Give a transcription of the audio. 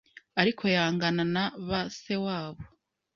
ariko yangana na ba sewabo,